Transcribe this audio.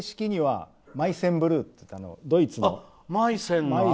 正式にはマイセンブルーっていってドイツの。